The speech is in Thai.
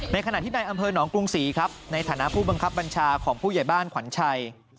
ขณะที่ในอำเภอหนองกรุงศรีครับในฐานะผู้บังคับบัญชาของผู้ใหญ่บ้านขวัญชัย